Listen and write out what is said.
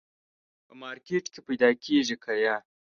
په مارکېټ کي پیدا کېږي که یه ؟